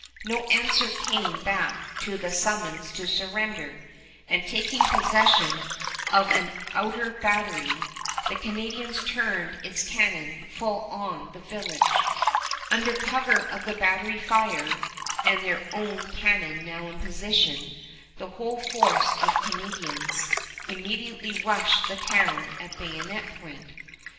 No answer came back to the summons to surrender, and, taking possession of an outer battery, the Canadians turned its cannon full on the village. Under cover of the battery fire, and their own cannon now in position, the whole force of Canadians immediately rushed the town at bayonet point.